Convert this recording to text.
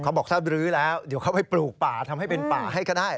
เขาบอกถ้าบรื้อแล้วเดี๋ยวเขาไปปลูกป่าทำให้เป็นป่าให้ก็ได้